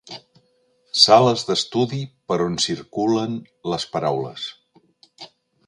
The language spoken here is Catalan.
Sales d'estudi per on circulen les paraules.